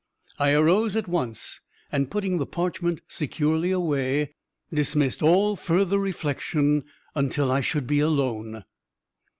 I arose at once, and, putting the parchment securely away, dismissed all further reflection until I should be alone.